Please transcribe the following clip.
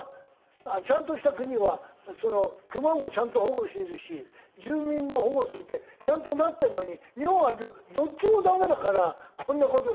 ちゃんとした国はクマもちゃんと保護するし住民も保護するってちゃんとなってるのに日本はどっちもダメだからこんな事になって。